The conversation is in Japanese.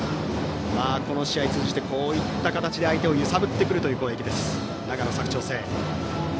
この試合通じて、こういった形で相手を揺さぶってくるという攻撃です、長野・佐久長聖。